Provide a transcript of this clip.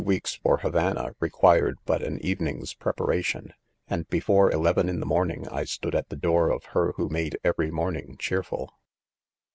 weeks for Havana re quired but an evening 5 s preparation ; and before eleven in the morning, I 'stood at the door of ■ her who made every morning cheerful.